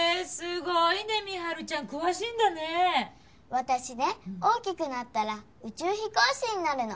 私ね大きくなったら宇宙飛行士になるの。